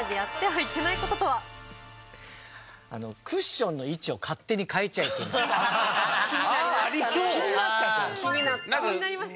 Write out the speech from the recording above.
クッションの位置を勝手に変えちゃいけない。